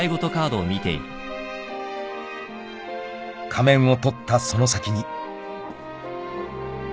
［仮面を取ったその先に］